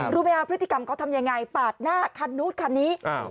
รู้ไหมครับพฤติกรรมเขาทำยังไงปาดหน้าคันนู้นคันนี้